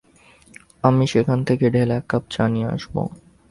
আমি সেখান থেকে ঢেলে এক কাপ চা নিয়ে আসব।